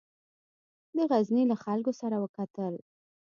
د غزني له خلکو سره وکتل.